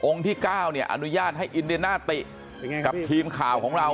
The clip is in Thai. องค์ที่๙อนุญาตให้อินเดนาติกับทีมข่าวของเรา